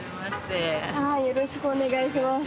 よろしくお願いします。